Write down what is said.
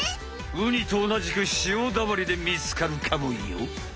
ウニとおなじく潮だまりでみつかるかもよ。